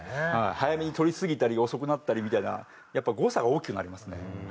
早めに取りすぎたり遅くなったりみたいなやっぱ誤差が大きくなりますね。